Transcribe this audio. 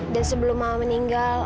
dan sebelum mama meninggal